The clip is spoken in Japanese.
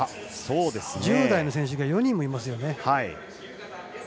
１０代の選手が４人もいますよね。